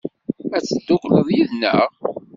Ad teddukleḍ yid-neɣ?